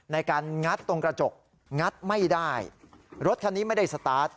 งัดตรงกระจกงัดไม่ได้รถคันนี้ไม่ได้สตาร์ท